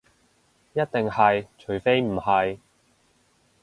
一定係，除非唔係